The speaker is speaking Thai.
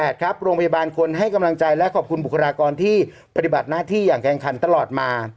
โรงพยาบาลคนให้กำลังใจและขอบคุณบุคลากรที่ปฏิบัติหน้าที่อย่างแข่งขันตลอดมา